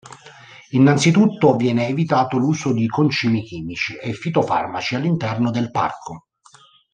Innanzitutto viene evitato l'uso di concimi chimici e fitofarmaci all'interno del parco.